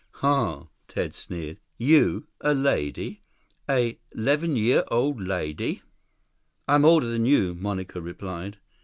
"Ha," Ted sneered. "You, a lady? A 'leven year old lady!" "I'm older than you," Monica replied.